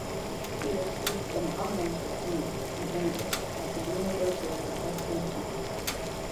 She received an honours degree in English at the University of Cape Town.